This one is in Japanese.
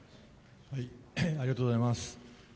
ありがとうございます。